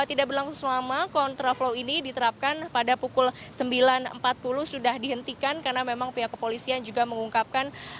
dan tidak berlangsung selama kontraflow ini diterapkan pada pukul sembilan empat puluh sudah dihentikan karena memang pihak kepolisian juga mengungkapkan